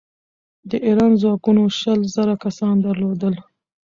د ایران ځواکونو شل زره کسان درلودل.